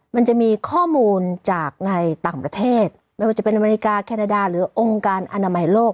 มันจะมีข้อมูลจากในต่างประเทศไม่ว่าจะเป็นอเมริกาแคนาดาหรือองค์การอนามัยโลก